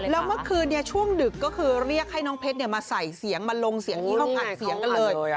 แล้วเมื่อคืนช่วงดึกก็คือเรียกให้น้องเพชรมาใส่เสียงมาลงเสียงยี่ห้ออัดเสียงกันเลย